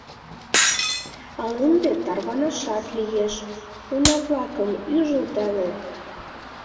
— А ынде тарванашат лиеш, — уна-влакым ӱжылдале.